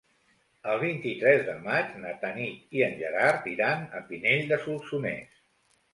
El vint-i-tres de maig na Tanit i en Gerard iran a Pinell de Solsonès.